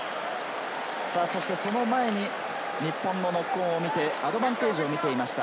その前に日本のノックオンを見てアドバンテージを見ていました。